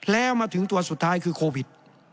แล้วมาถึงตัวสุดท้ายคือโควิด